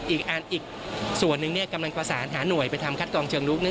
อีกส่วนนึงกำลังประสานหาหน่วยไปทำคัดกรองเชิงรุก